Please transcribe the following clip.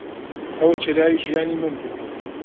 ئەو چرای ژیانی من بوو.